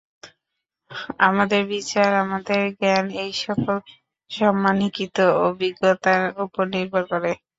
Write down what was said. আমাদের বিচার, আমাদের জ্ঞান এই-সকল সামান্যীকৃত অভিজ্ঞতার উপর নির্ভর করে।